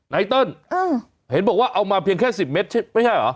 เติ้ลเห็นบอกว่าเอามาเพียงแค่๑๐เมตรไม่ใช่เหรอ